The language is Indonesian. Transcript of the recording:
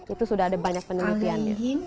itu sudah ada banyak penelitiannya